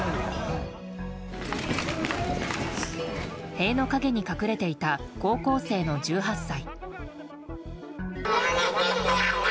塀の陰に隠れていた高校生の１８歳。